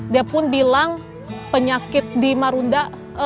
dia pun bilang penyakit di marunda